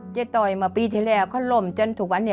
ต่อยมาปีที่แล้วเขาล่มจนทุกวันนี้